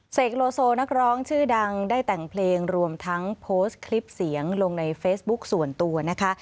โลโซนักร้องชื่อดังได้แต่งเพลงรวมทั้งโพสต์คลิปเสียงลงในเฟซบุ๊คส่วนตัวนะคะ